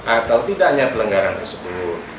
atau tidaknya pelanggaran tersebut